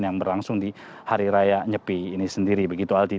yang berlangsung di hari raya nyepi ini sendiri begitu aldi